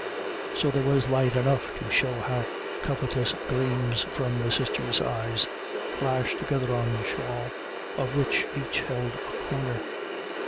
So there was light enough to show how covetous gleams from the sisters' eyes flashed together on the shawl, of which each held a corner.